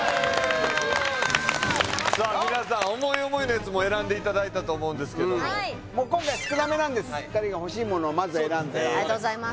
さあ皆さん思い思いのやつ選んでいただいたと思うんですがもう今回少なめなんです２人が欲しいものをまず選んでありがとうございます